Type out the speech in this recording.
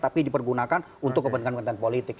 tapi dipergunakan untuk kepentingan kepentingan politik